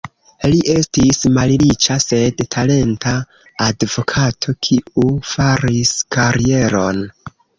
Li estis malriĉa, sed talenta advokato, kiu faris karieron.